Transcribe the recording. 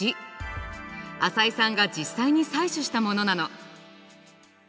淺井さんが実際に採取したものなの。